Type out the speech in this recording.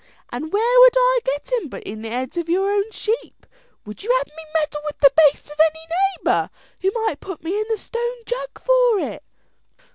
"An' where would I get em' but in the heads of your own sheep? Would you have me meddle with the bastes of any neighbour, who might put me in the Stone Jug for it?"